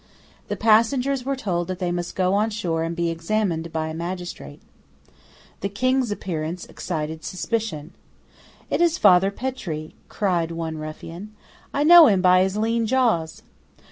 The passengers were told that they must go on shore and be examined by a magistrate. The King's appearance excited suspicion. "It is Father Petre," cried one ruffian; "I know him by his lean jaws."